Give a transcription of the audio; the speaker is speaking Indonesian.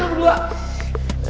kenapa lu berdua